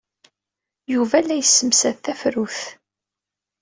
Yuba la yessemsad tafrut.